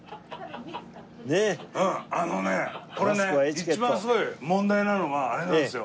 あのねこれね一番すごい問題なのはあれなんですよ。